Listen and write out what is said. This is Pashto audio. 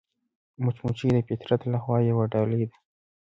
مچمچۍ د فطرت له خوا یوه ډالۍ ده